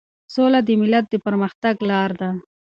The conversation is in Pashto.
سوله د ملت د پرمختګ لار ده.